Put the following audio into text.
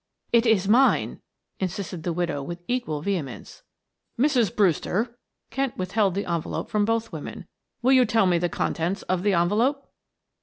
"It is mine," insisted the widow with equal vehemence. "Mrs. Brewster." Kent withheld the envelope from both women. "Will you tell me the contents of this envelope?"